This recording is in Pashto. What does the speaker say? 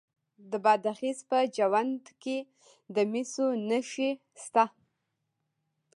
د بادغیس په جوند کې د مسو نښې شته.